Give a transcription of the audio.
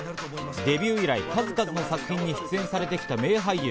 デビュー以来、数々の作品に出演されてきた名俳優。